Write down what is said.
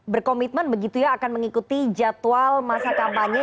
berkomitmen begitu ya akan mengikuti jadwal masa kampanye